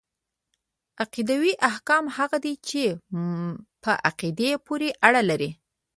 عقيدوي احکام هغه دي چي په عقيدې پوري اړه لري .